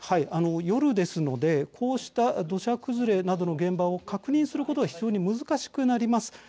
夜ですので、こうした土砂崩れなどの現場を確認することは非常に難しくなります。